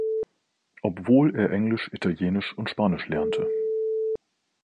Obwohl er Englisch, Italienisch und Spanisch lernte.